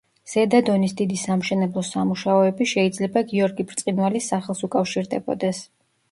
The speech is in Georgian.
ზედა დონის დიდი სამშენებლო სამუშაოები შეიძლება გიორგი ბრწყინვალის სახელს უკავშირდებოდეს.